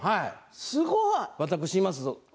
私います。